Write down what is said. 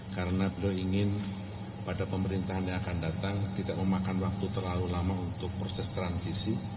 karena beliau ingin pada pemerintahan yang akan datang tidak memakan waktu terlalu lama untuk proses transisi